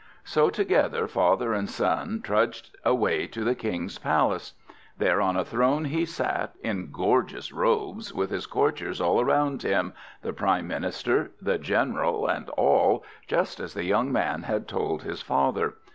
So together father and son trudged away to the King's palace. There on a throne he sat, in gorgeous robes, with his courtiers all around him, the Prime Minister, the General, and all, just as the young man had told his father.